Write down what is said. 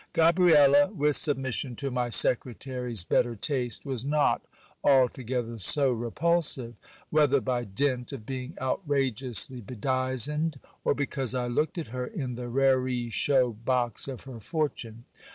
Gabriela, with submission to my secretary's better taste, was not altogether so repulsive ; whether by dint of being outrageously bedizened, or because I looked at her in the raree shew box of her fortune.